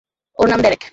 ওর নাম ডেরেক।